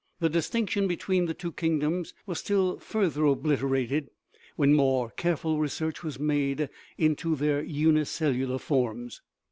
The distinction between the two kingdoms was still further obliterated when more care ful research was made into their unicellular forms.